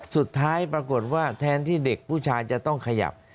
สุดท้ายปรากฏว่าแทนที่เด็กผู้ชายจะต้องขยับ